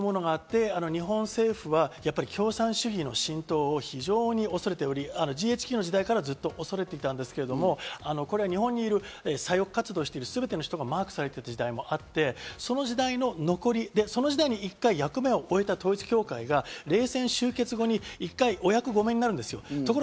どうしても冷戦構造というものがあって、日本は共産主義の浸透を非常に恐れており、ＧＨＱの時代からずっと恐れていたんですけど、日本にいる左翼活動しているすべての人がマークされている時代もあって、その時代の残りで、その時代に１回、役目を終えた統一教会が冷戦終結後に一回お役ごめんになるんです。